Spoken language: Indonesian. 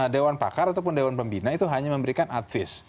dewan pakar ataupun dewan pembina itu hanya memberikan advis